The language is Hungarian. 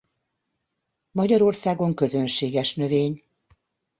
Magyarországon közönséges növény.